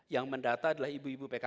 yang mendata adalah ibu ibu pk